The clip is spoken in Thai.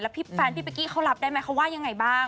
พี่แฟนพี่เป๊กกี้เขารับได้ไหมเขาว่ายังไงบ้าง